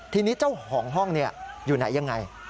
ทีนี้เจ้าของห้องอยู่ไหนยังไง